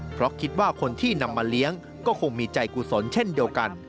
เพราะคิดว่าคนที่นำมาเลี้ยงก็คงมีใจกุศลเช่นเดียวกัน